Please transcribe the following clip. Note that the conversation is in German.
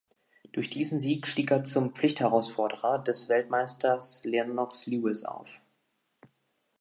Durch diesen Sieg stieg er zum Pflichtherausforderer des Weltmeisters Lennox Lewis auf.